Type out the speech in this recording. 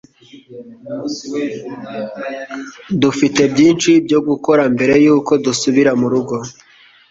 Dufite byinshi byo gukora mbere yuko dusubira murugo.